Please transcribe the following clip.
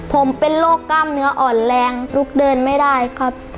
ผมเป็นโรคกล้ามเนื้ออ่อนแรงลุกเดินไม่ได้ครับ